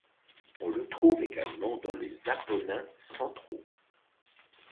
On le trouve également dans les Apennins centraux.